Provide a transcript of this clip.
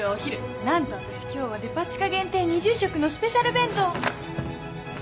なんとわたし今日はデパ地下限定２０食のスペシャル弁当。